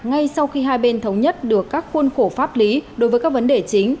ngay sau khi hai bên thống nhất được các khuôn khổ pháp lý đối với các vấn đề chính